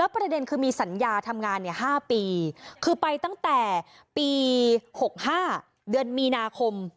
ประเด็นคือมีสัญญาทำงาน๕ปีคือไปตั้งแต่ปี๖๕เดือนมีนาคม